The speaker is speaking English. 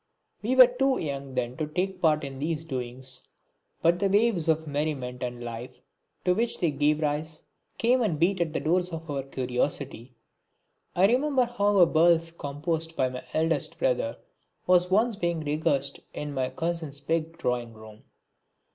We were too young then to take any part in these doings, but the waves of merriment and life to which they gave rise came and beat at the doors of our curiosity. I remember how a burlesque composed by my eldest brother was once being rehearsed in my cousin's big drawing room.